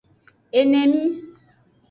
Enemi.